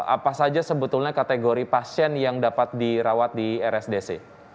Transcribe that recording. apa saja sebetulnya kategori pasien yang dapat dirawat di rsdc